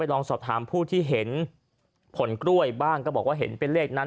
ลองสอบถามผู้ที่เห็นผลกล้วยบ้างก็บอกว่าเห็นเป็นเลขนั้น